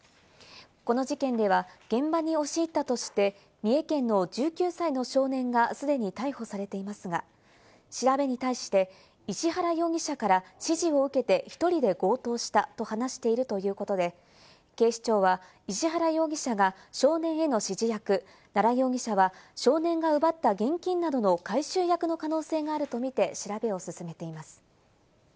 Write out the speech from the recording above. この事件では現場に押し入ったとして、三重県の１９歳の少年がすでに逮捕されていますが、調べに対して、石原容疑者から指示を受けて１人で強盗したと話しているということで、警視庁は石原容疑者が少年への指示役、奈良容疑者は少年が奪った現金などの回収役の可能性があるとみて調べを進めています。